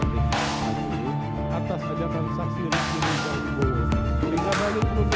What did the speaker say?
merupakan hasil konsensus